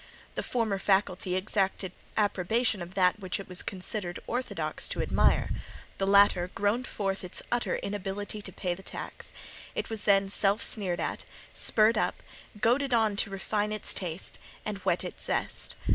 The former faculty exacted approbation of that which it was considered orthodox to admire; the latter groaned forth its utter inability to pay the tax; it was then self sneered at, spurred up, goaded on to refine its taste, and whet its zest.